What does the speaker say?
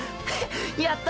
やった！